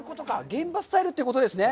現場スタイルということですね。